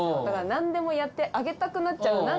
だから何でもやってあげたくなっちゃう。